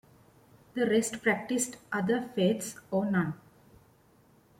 The rest practised other faiths or none.